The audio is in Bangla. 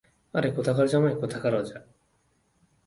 আরে কোথাকার জামাই, কোথাকার রাজা।